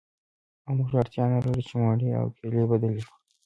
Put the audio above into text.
او موږ اړتیا نلرو چې مڼې او کیلې بدلې کړو